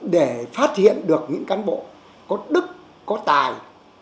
để phát hiện được những cán bộ có đức có tài